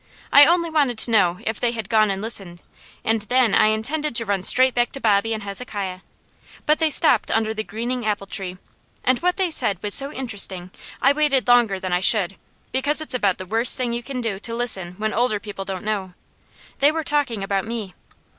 I only wanted to know if they had gone and listened, and then I intended to run straight back to Bobby and Hezekiah; but they stopped under the greening apple tree, and what they said was so interesting I waited longer than I should, because it's about the worst thing you can do to listen when older people don't know. They were talking about me.